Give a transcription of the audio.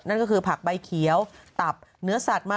นั่นก็คือผักใบเขียวตับเนื้อสัตว์มา